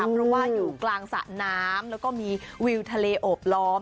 เพราะว่าอยู่กลางสระน้ำแล้วก็มีวิวทะเลโอบล้อม